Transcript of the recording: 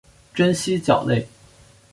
真蜥脚类。